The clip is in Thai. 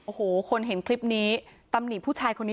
โอ้โหคนเห็นคลิปนี้ตำหนิผู้ชายคนนี้